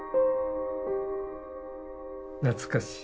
懐かしい。